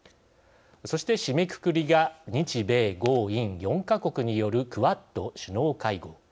そして、締めくくりが日米豪印４か国によるクアッド首脳会合。